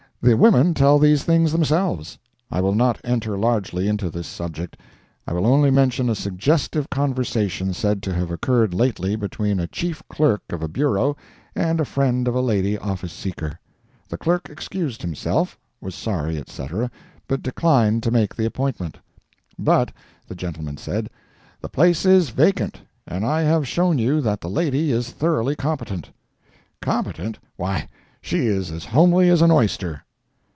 The women tell these things themselves. I will not enter largely into this subject. I will only mention a suggestive conversation said to have occurred lately between a Chief Clerk of a Bureau and a friend of a lady office seeker. The clerk excused himself—was sorry, etc., but declined to make the appointment. "But," the gentleman said, "the place is vacant, and I have shown you that the lady is thoroughly competent." "Competent!—why she is as homely as an oyster!"